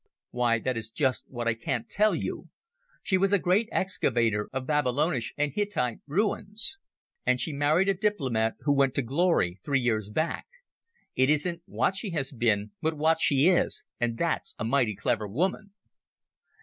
"Why, that is just what I can't tell you. She was a great excavator of Babylonish and Hittite ruins, and she married a diplomat who went to glory three years back. It isn't what she has been, but what she is, and that's a mighty clever woman."